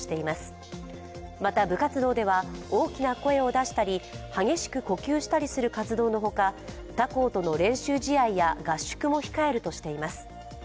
また、部活動では大きな声を出したり激しく呼吸したりする活動のほか、他校との練習試合や合宿も控えるとしています。